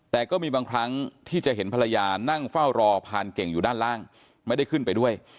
แต่ก็มีบางครั้งที่จะเห็นภรรยานั่งเฝ้ารอพานเก่งอยู่ด้านล่างไม่ได้ขึ้นไปด้วย